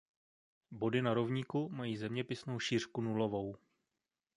Body na rovníku mají zeměpisnou šířku nulovou.